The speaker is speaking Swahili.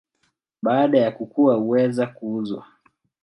Baada ya kukua huweza kuuzwa.